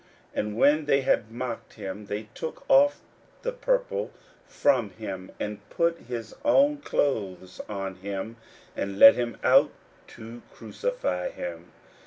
41:015:020 And when they had mocked him, they took off the purple from him, and put his own clothes on him, and led him out to crucify him.